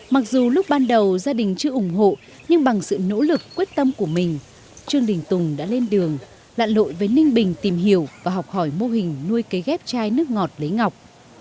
mặc dù lúc ban đầu gia đình chưa ủng hộ nhưng bằng sự nỗ lực quyết tâm của mình trương đình tùng đã lên đường lạn lội với ninh bình tìm hiểu và học hỏi mô hình nuôi cấy ghép chai nước ngọt lấy ngọc